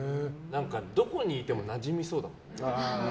どこにいてもなじみそうだもんね。